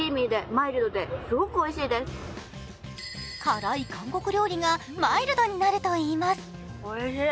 辛い韓国料理がマイルドになるといいます。